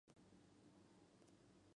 La fruta madura seca es un laxante suave.